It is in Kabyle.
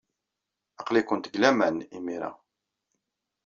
Aql-ikent deg laman imir-a.